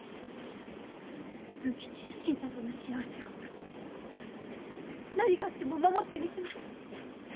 文吉や新太との幸せを何があっても守ってみせます！